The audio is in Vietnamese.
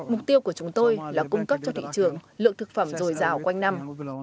mục tiêu của chúng tôi là cung cấp cho thị trường lượng thực phẩm dồi dào quanh năm